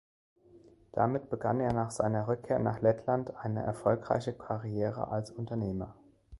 Damit begann er nach seiner Rückkehr nach Lettland eine erfolgreiche Karriere als Unternehmer.